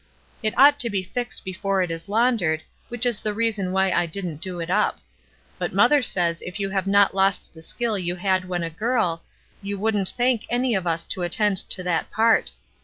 It ought to be fixed before it is laundered, which is the reason why I didn't do it up ; but mother says if you have not lost the skill you had when a girl, you wouldn't thank any of us to attend to that part.